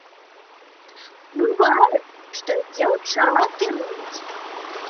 Бывае, што і дзяўчаты руляць.